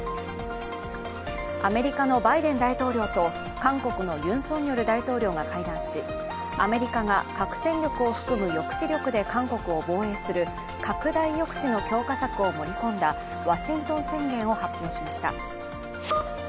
アメリカのバイデン大統領と韓国のユン・ソンニョル大統領が会談し、アメリカが核戦力を含む抑止力で韓国を防衛する拡大抑止の強化策を盛り込んだワシントン宣言を発表しました。